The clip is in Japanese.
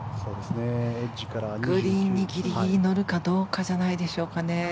グリーンにギリギリ乗るかどうかじゃないでしょうか。